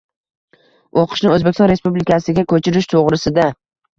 o‘qishni O‘zbekiston Respublikasiga ko‘chirish to'g‘risida.